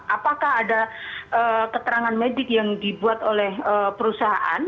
apakah ada keterangan medik yang dibuat oleh perusahaan